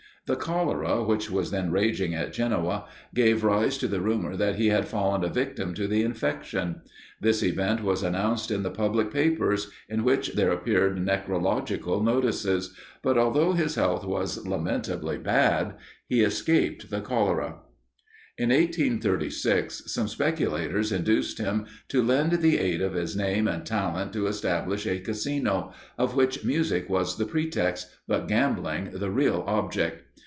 The cholera, which was then raging at Genoa, gave rise to the rumour that he had fallen a victim to the infection. This event was announced in the public papers, in which there appeared necrological notices; but, although his health was lamentably bad, he escaped the cholera. In 1836, some speculators induced him to lend the aid of his name and talent to establish a casino, of which music was the pretext, but gambling the real object.